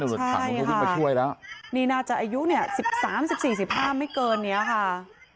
ใช่ค่ะนี่น่าจะอายุ๑๓๑๕ไม่เกินเนี่ยค่ะ